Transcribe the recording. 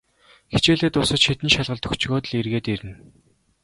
Хичээлээ дуусаж, хэдэн шалгалт өгчхөөд л эргээд ирнэ.